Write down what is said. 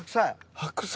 白菜。